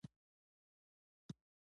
افغانستان کې پسه د هنر په اثار کې منعکس کېږي.